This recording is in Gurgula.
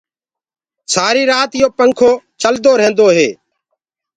سآري رآت يو پنکو چلدو ريهندو هي